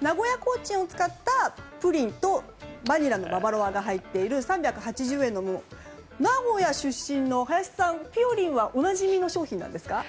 名古屋コーチンを使ったプリンとバニラのババロアが入っている３８０円のもので名古屋出身の林さん、名古屋ではおなじみの商品なんですか？